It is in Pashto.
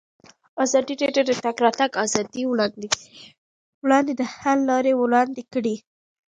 ازادي راډیو د د تګ راتګ ازادي پر وړاندې د حل لارې وړاندې کړي.